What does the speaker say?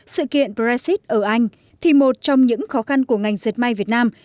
sự kiện brexit ở anh thì một trong những khó khăn của ngành dệt may việt nam